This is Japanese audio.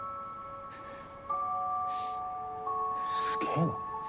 すげぇな。